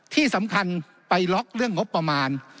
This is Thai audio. ที่สำคัญไปล็อกเรื่องงบประมาณ